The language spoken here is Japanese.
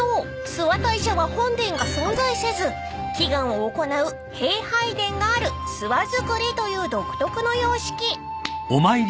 諏訪大社は本殿が存在せず祈願を行う弊拝殿がある諏訪造りという独特の様式］